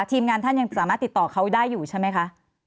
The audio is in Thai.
ทีมงานท่านยังสามารถติดต่อเขาได้อยู่ใช่ไหมคะ